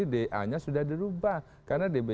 da nya sudah dirubah karena db